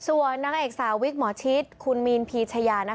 ส่วนนางเอกสาววิกหมอชิตคุณมีนพีชยา